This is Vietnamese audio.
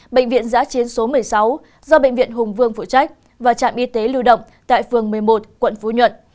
bệnh viện giã chiến số một mươi sáu do bệnh viện hùng vương phụ trách và trạm y tế lưu động tại phường một mươi một quận phú nhuận